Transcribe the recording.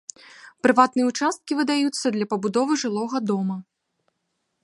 Прыватныя ўчасткі выдаюцца для пабудовы жылога дома.